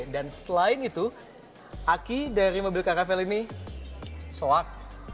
dan selain itu aki dari mobil carafel ini soak